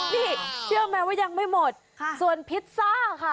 นี่เชื่อไหมว่ายังไม่หมดส่วนพิซซ่าค่ะ